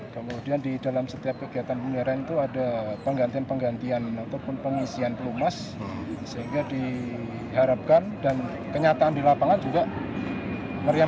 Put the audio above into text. kemudian dalam pengoperasionalnya juga